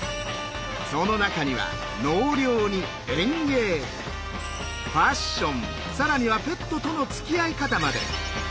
その中には納涼に園芸ファッション更にはペットとのつきあい方まで。